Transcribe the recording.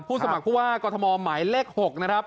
สมัครผู้ว่ากรทมหมายเลข๖นะครับ